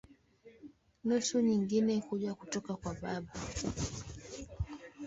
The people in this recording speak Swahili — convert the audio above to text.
Nusu nyingine kuja kutoka kwa baba.